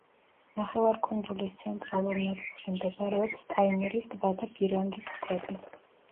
ნახევარკუნძულის ცენტრალურ ნაწილში მდებარეობს ტაიმირის ტბა და ბირანგის მთები.